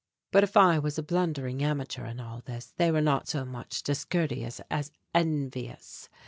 But if I was a blundering amateur in all this, they were not so much discourteous as envious.